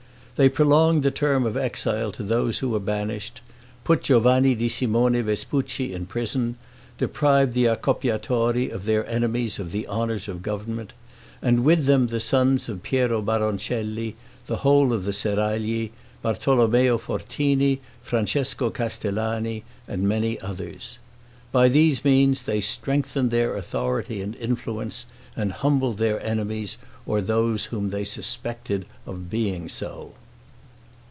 They prolonged the term of exile to those who were banished; put Giovanni di Simone Vespucci in prison; deprived the Accoppiatori of their enemies of the honors of government, and with them the sons of Piero Baroncelli, the whole of the Seragli, Bartolommeo Fortini, Francesco Castellani, and many others. By these means they strengthened their authority and influence, and humbled their enemies, or those whom they suspected of being so.